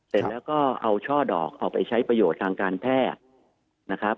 เสร็จแล้วก็เอาช่อดอกเอาไปใช้ประโยชน์ทางการแพทย์นะครับ